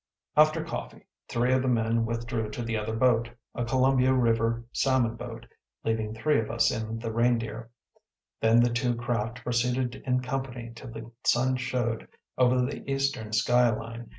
After coffee, three of the men withdrew to the other boat, a Columbia River salmon boat, leaving three of us in the Reindeer. Then the two craft proceeded in company till the sun showed over the eastern sky line.